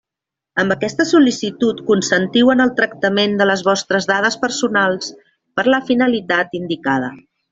Amb aquesta sol·licitud consentiu en el tractament de les vostres dades personals per a la finalitat indicada.